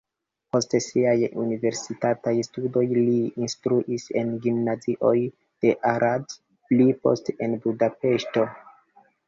Post siaj universitataj studoj li instruis en gimnazioj de Arad, pli poste en Budapeŝto.